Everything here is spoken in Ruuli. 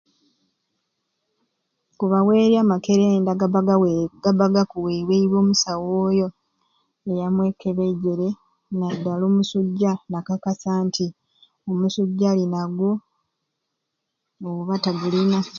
Kubaweerya makerenda gaba gawe, gaba gakuweweibwe musawo oyo eyamwekebeijere nadala omusujja nakakasa nti omusujja alinagwo oba tagulina.